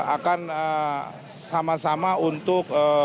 akan sama sama untuk